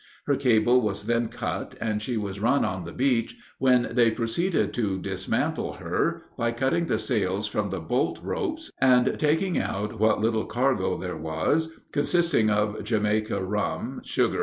Her cable was then cut, and she was run on the beach, when they proceeded to dismantle her, by cutting the sails from the bolt ropes, and taking out what little cargo there was, consisting of Jamaica ram, sugar, &c.